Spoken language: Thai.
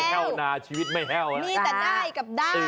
แห้วนาชีวิตไม่แห้วนะมีแต่ได้กับได้